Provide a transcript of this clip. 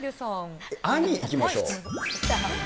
兄、いきましょう。